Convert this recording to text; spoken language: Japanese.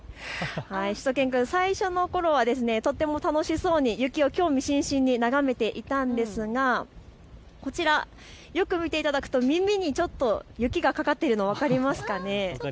しゅと犬くん、最初のころはとても楽しそうに雪を興味津々に眺めていたんですが、こちらよく見ていただくと耳にちょっと雪がかかっているのが分かりますかね。